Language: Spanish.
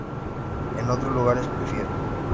En otros lugares prefiere.